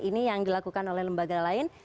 ini yang dilakukan oleh lembaga lain